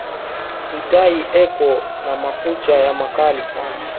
Ntayi eko na makucha ya makali sana